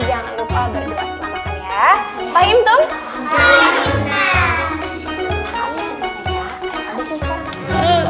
jangan lupa berdua selamatkan ya